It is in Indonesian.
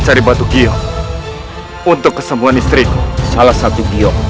salah satu kisah yang saya inginkan adalah kisah ini